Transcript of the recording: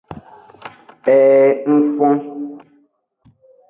Ee ng fon.